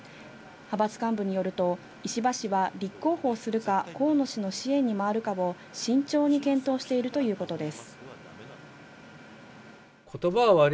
派閥幹部によると石破氏は立候補するか河野氏の支援に回るかを慎重に検討しているということです。